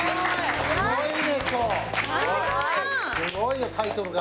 すごいよタイトルが。